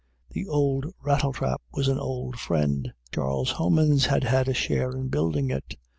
The old rattletrap was an old friend. Charles Homans had had a share in building it.